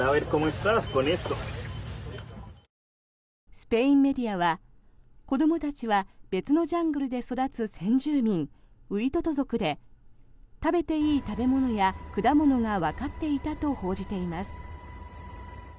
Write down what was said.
スペインメディアは子どもたちは別のジャングルで育つ先住民ウイトト族で食べていい食べ物や果物がわかっていたと報じています。